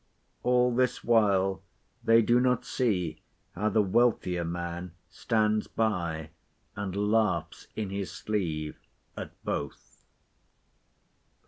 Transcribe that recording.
All this while they do not see how the wealthier man stands by and laughs in his sleeve at both.